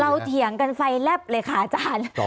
เถียงกันไฟแลบเลยค่ะอาจารย์